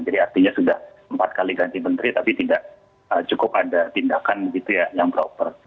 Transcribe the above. jadi artinya sudah empat kali ganti menteri tapi tidak cukup ada tindakan yang proper